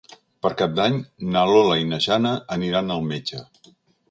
Per Cap d'Any na Lola i na Jana aniran al metge.